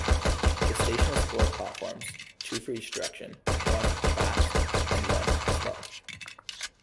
The station has four platforms, two for each direction: one "fast" and one "slow".